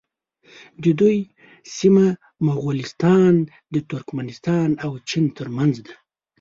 د دوی سیمه مغولستان د ترکستان او چین تر منځ ده.